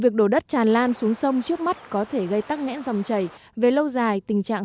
việc đổ đất tràn lan xuống sông trước mắt có thể gây tắc ngẽn dòng chảy về lâu dài tình trạng